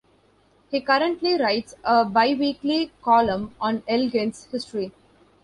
He currently writes a biweekly column on Elgin's history.